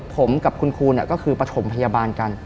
ผมกับคุณครูก็คือประถมพยาบาลกัน